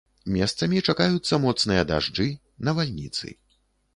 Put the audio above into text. Месцамі чакаюцца моцныя дажджы, навальніцы.